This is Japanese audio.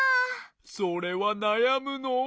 それはなやむのう。